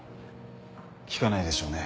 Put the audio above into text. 聞かないでしょうね